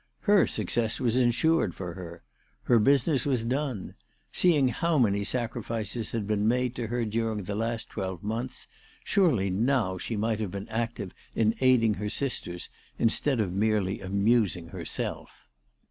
Her success was insured for her. Her business was done. Seeing how many sacrifices had been made to her during the last twelvemonths, surely now she might have been active in aiding her sisters, instead of merely amusing herself.